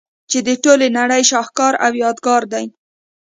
چي د ټولي نړۍ شهکار او يادګار دئ.